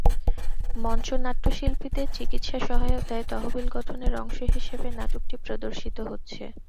মঞ্চ নাট্যশিল্পীদের চিকিৎসা সহায়তায় তহবিল গঠনের অংশ হিসেবে নাটকটি প্রদর্শিত হচ্ছে।